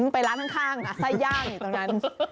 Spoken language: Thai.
ไปร้านข้างไส้ย่างอยู่ตรงนั้น